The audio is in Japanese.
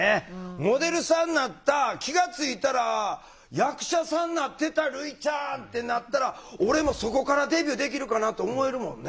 モデルさんなった気が付いたら役者さんなってた類ちゃんってなったら俺もそこからデビューできるかなと思えるもんね。